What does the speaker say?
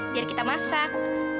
biar kita masak